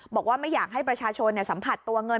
บอกว่าไม่อยากให้ประชาชนสัมผัสตัวเงิน